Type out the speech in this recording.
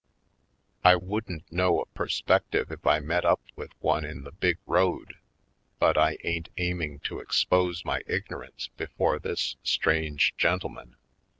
I wouldn't know a perspective if I met up with one in the big road but I ain't aim ing to expose my ignorance before this strange gentleman.